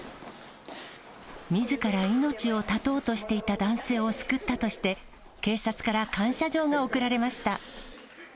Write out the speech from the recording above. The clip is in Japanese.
みずから命を絶とうとしていた男性を救ったとして、警察から感謝状が贈られました。